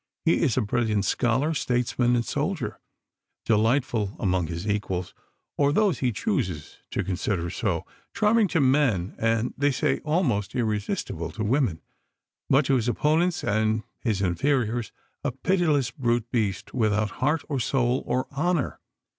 He is a brilliant scholar, statesman, and soldier; delightful among his equals or those he chooses to consider so charming to men, and, they say, almost irresistible to women; but to his opponents and his inferiors, a pitiless brute beast without heart, or soul, or honour.